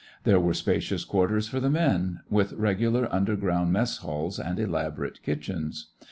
There were spacious quarters for the men, with regular underground mess halls and elaborate kitchens.